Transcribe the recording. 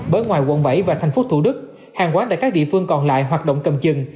bởi ngoài quận bảy và thành phố thủ đức hàng quán tại các địa phương còn lại hoạt động cầm chừng